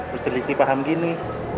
terus terlisih paham gini